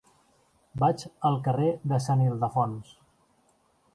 Vaig al carrer de Sant Ildefons.